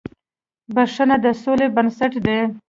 • بښنه د سولې بنسټ دی.